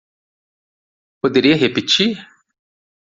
Poderia repetir?